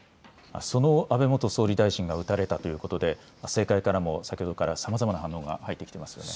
その安倍元総理大臣が撃たれたということで政界からも先ほどからさまざまな反応が入ってきていますね。